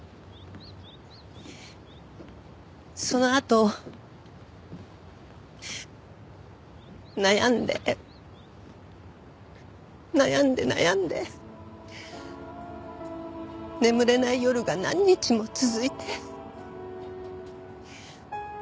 そのあと悩んで悩んで悩んで眠れない夜が何日も続いて。